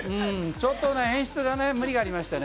ちょっとね、演出に無理がありましたね。